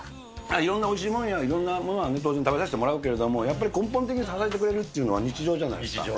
いろんなおいしいものやいろんなもの食べさせてもらうけれども、やっぱり根本的に支えてくれるっていうのは、日常じゃないですか。